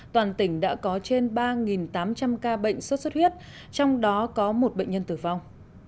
toàn tỉnh đã có trên ba tám trăm linh ca bệnh sốt xuất huyết trong đó có một bệnh nhân tử vong